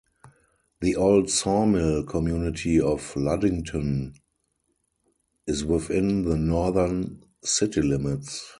The old Sawmill community of Luddington is within the northern city limits.